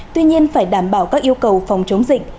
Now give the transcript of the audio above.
tuy nhiên phải đảm bảo các yêu cầu phòng chống dịch